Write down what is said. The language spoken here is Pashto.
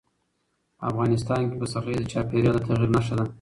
افغانستان کې پسرلی د چاپېریال د تغیر نښه ده.